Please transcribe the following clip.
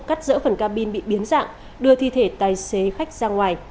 cắt rỡ phần ca bin bị biến dạng đưa thi thể tài xế khách ra ngoài